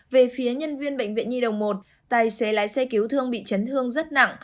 về phía nhân viên bệnh viện nhi đồng một tài xế lái xe cứu thương bị chấn thương rất nặng